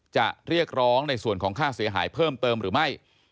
จะเรียกร้องในส่วนของค่าเสียหายเพิ่มเติมหรือไม่